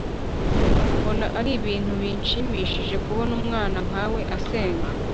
mbona ari ibintu binshimishije kubona umwana nkawe asenga